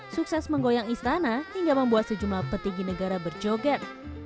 sukses menggoyang istana hingga membuat sejumlah petinggi negara berjoget